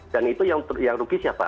dan itu yang rugi siapa